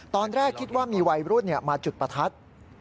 ตอนแรกคิดว่ามีวัยรุ่นมาจุดประทัด